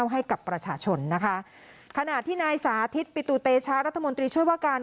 ให้กับประชาชนนะคะขณะที่นายสาธิตปิตุเตชะรัฐมนตรีช่วยว่าการ